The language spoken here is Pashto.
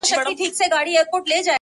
وموږ تې سپكاوى كاوه زموږ عزت يې اخيست~